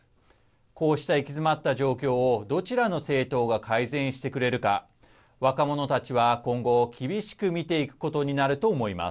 こうした行き詰まった状況をどちらの政党が改善してくれるか、若者たちは今後、厳しく見ていくことになると思います。